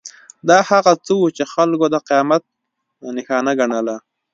دا هغه څه وو چې خلکو د قیامت نښانه ګڼله.